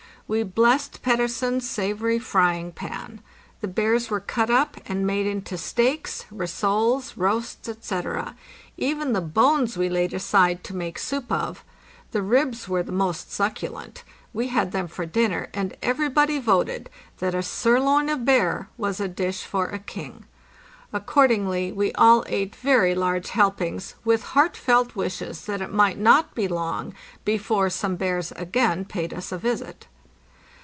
We blessed Pettersen's savory frying pan. The bears were cut up and made into steaks, rissoles, roasts, etc. Even the bones we laid aside to make soup of. The ribs were the most succulent. We had them for dinner, and everybody voted that a sirloin of bear was a dish for a king. Accordingly we all ate very large helpings, with heartfelt wishes that it might not be long before some bears again paid us a visit.